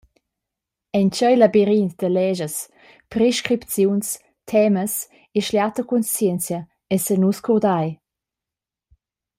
En tgei labirint da leschas, prescripziuns, temas e schliata cunscienzia essan nus curdai?